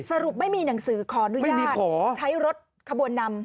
สรุปไม่มีหนังสือขออนุญาตใช้รถขบวนนำ